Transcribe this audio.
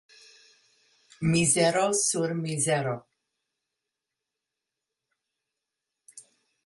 Mizero sur mizero.